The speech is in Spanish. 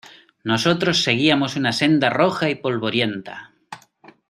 nosotros seguíamos una senda roja y polvorienta.